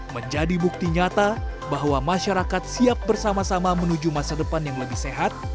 menjadi bukti nyata bahwa masyarakat siap bersama sama menuju masa depan yang lebih sehat